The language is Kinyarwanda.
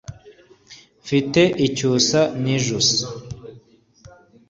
mfite icyusa nijuse